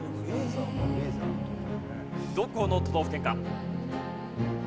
どこの都道府県か？